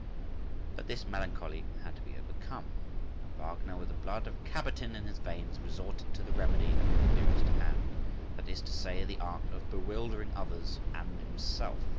But this melancholy had to be overcome, and Wagner with the blood of a cabotin in his veins, resorted to the remedy that was nearest to hand—that is to say, the art of bewildering others and himself.